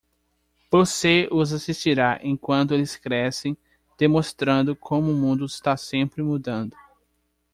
Você os assistirá enquanto eles crescem demonstrando como o mundo está sempre mudando.